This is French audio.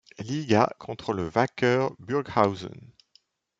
Liga contre le Wacker Burghausen.